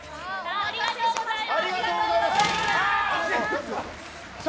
ありがとうございます。